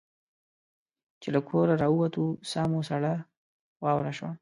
چې له کوره را ووتو ساه مو سړه واوره شوه.